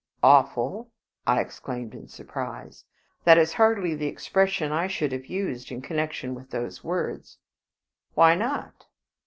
"Awful!" I exclaimed, in surprise; "that is hardly the expression I should have used in connection with those words." "Why not?"